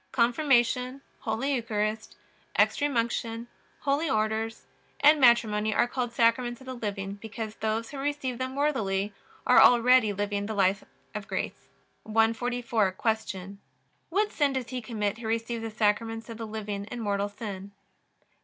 Confirmation, Holy Eucharist, Extreme Unction, Holy Orders, and Matrimony are called Sacraments of the living, because those who receive them worthily are already living the life of grace. 144. Q. What sin does he commit who receives the Sacraments of the living in mortal sin?